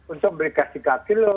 untuk beli gas tiga kilo